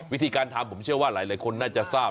วิธีการทำผมเชื่อว่าหลายคนน่าจะทราบ